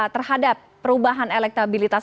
terhadap perubahan elektabilitas